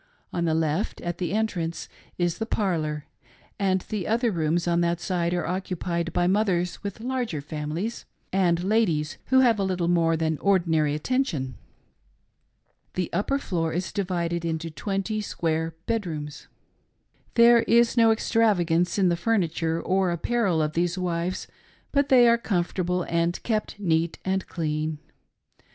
On the left, at the entrance, is the parlor, and the other rooms on that side are occupied by mothers with larger families, and ladies who have a little more than ordinary attention. The upper floor is divided into twenty square bedrooms. There is no extravagance in the furniture or apparel of these wives, but they are comfortable and are kept neat and clean.